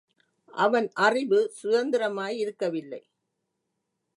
அவன் அறிவு சுதந்திரமா யிருக்கவில்லை.